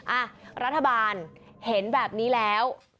อ่ะรัฐบาลเห็นแบบนี้แล้ว